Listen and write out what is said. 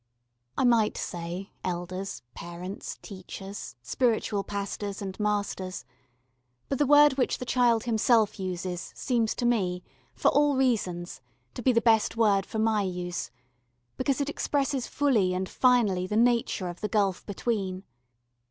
I might say elders, parents, teachers, spiritual pastors and masters, but the word which the child himself uses seems to me, for all reasons, to be the best word for my use, because it expresses fully and finally the nature of the gulf between.